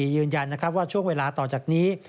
ยืนยันว่าช่วงเวลาต่อจากนี้